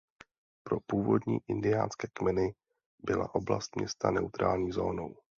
Pro původní indiánské kmeny byla oblast města „neutrální“ zónou.